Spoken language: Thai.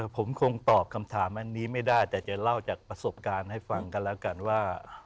ผมคงตอบคำถามอันนี้ไม่ได้แต่จะเล่าจากประสบการณ์ให้ฟังกันแล้วกันว่า